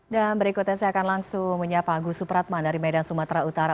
dan berikutnya saya akan langsung menyapa agus supratman dari medan sumatera utara